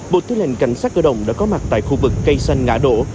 bộ tư lệnh cảnh sát cơ động đã có mặt tại khu vực cây xanh ngã đổ